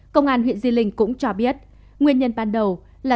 công an huyện di linh cũng cho biết nguyên nhân ban đầu là